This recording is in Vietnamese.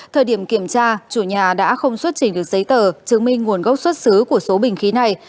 thời điểm kiểm tra chủ nhà đã không xuất trình được giấy tờ chứng minh nguồn gốc xuất xứ của số bình khí này